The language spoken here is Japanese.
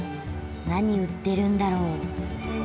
何売ってるんだろう？